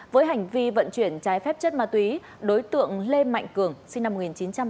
với hành vi vận chuyển trái phép chất ma túy đối tượng lê mạnh cường sinh năm một nghìn chín trăm tám mươi